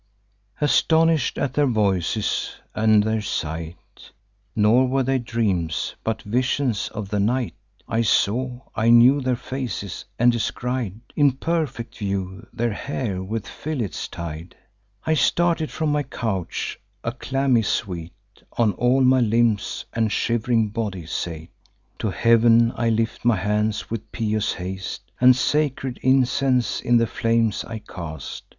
"Astonish'd at their voices and their sight, (Nor were they dreams, but visions of the night; I saw, I knew their faces, and descried, In perfect view, their hair with fillets tied;) I started from my couch; a clammy sweat On all my limbs and shiv'ring body sate. To heav'n I lift my hands with pious haste, And sacred incense in the flames I cast.